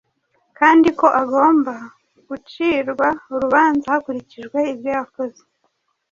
kandi ko agomba gucirwa urubanza hakurikijwe ibyo yakoze,